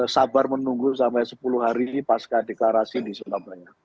sabar menunggu sampai sepuluh hari pasca deklarasi di surabaya